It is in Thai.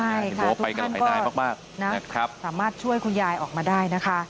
ที่โบ๊ะไปกับไหนรายมากนะครับสามารถช่วยคุณยายออกมาได้นะคะ